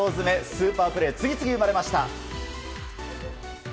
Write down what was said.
スーパープレーが次々生まれました。